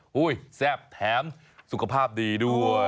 แซ่บแถมสุขภาพดีด้วย